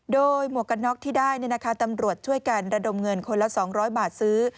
โดยหมวกกันน็อกที่ได้ตำรวจช่วยกันระดมเงินคนละ๒๐๐บาทซื้อ